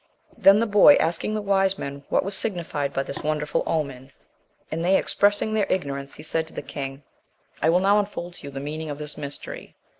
Then the boy, asking the wise men what was signified by this wonderful omen, and they expressing their ignorance, he said to the king, "I will now unfold to you the meaning of this mystery.